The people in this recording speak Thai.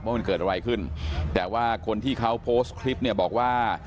ว่ามันเกิดอะไรขึ้นแต่ว่าคนที่เขาโพสต์คลิปเนี่ยบอกว่า